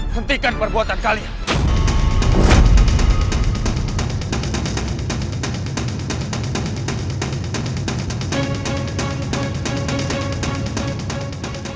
hentikan perbuatan kalian